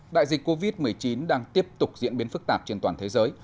đại dịch covid một mươi chín đang tiếp tục diễn biến phức tạp trên toàn thế giới